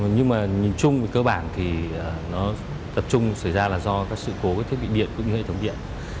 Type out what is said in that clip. nhưng nhìn chung cơ bản tập trung xảy ra do sự cố thiết bị điện cũng như hệ thống điện